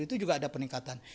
itu juga ada peningkatan